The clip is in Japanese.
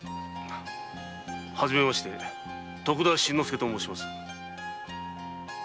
初めまして徳田新之助と申します。